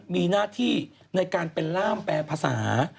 มีหน้าที่ในการเป็นล่ามแปรภาษา